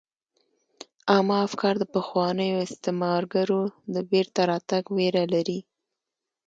عامه افکار د پخوانیو استعمارګرو د بیرته راتګ ویره لري